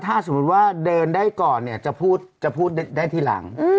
ถ้าสมมุติว่าเดินได้ก่อนเนี่ยจะพูดได้ทีหลัง